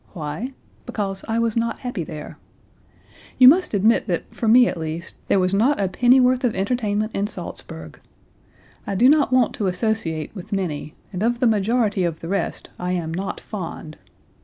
Why? Because I was not happy there. You must admit that, for me at least, there was not a pennyworth of entertainment in Salzburg. I do not want to associate with many and of the majority of the rest I am not fond.